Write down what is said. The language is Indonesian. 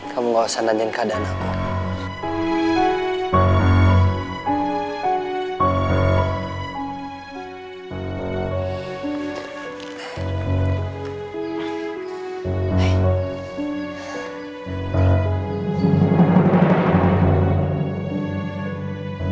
kamu gak usah nanyain keadaan aku